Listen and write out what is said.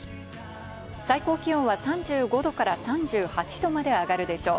最高気温は３５度から３８度まで上がるでしょう。